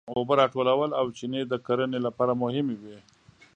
اوبه راټولول او چینې د کرنې لپاره مهمې وې.